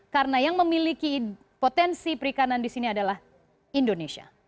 karena yang memiliki potensi perikanan di sini adalah indonesia